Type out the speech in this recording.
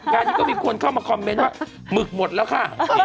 งานนี้ก็มีคนเข้ามาคอมเมนต์ว่าหมึกหมดแล้วค่ะ